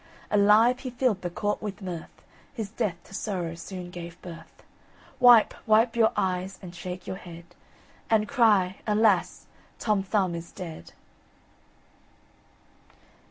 Alive he filled the court with mirth; His death to sorrow soon gave birth. Wipe, wipe your eyes, and shake your head And cry, Alas! Tom Thumb is dead!